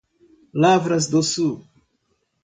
Lavras do Sul